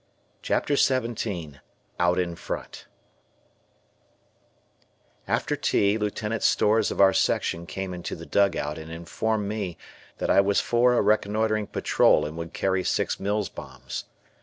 CHAPTER XVII OUT IN FRONT After tea, Lieutenant Stores of our section came into the dugout and informed me that I was "for" a reconnoitering patrol and would carry six Mills bombs.